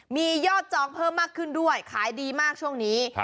มียอดจองเพิ่มมากขึ้นด้วยขายดีมากช่วงนี้